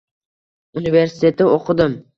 universitetda oʻqidim